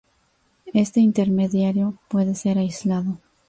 Este intermediario puede ser aislado.